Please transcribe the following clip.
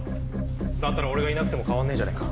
だったら俺がいなくても変わんねえじゃねえか